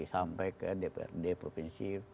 sampai ke dprd provinsi